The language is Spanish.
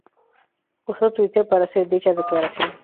Usó Twitter para hacer dicha declaración.